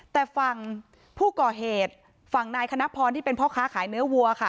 แต่ฝั่งผู้ก่อเหตุฝั่งนายคณะพรที่เป็นพ่อค้าขายเนื้อวัวค่ะ